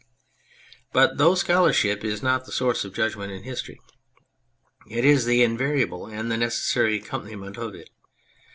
But though scholarship is not the source of judgment in history, it is the invariable and the necessary accompaniment of it.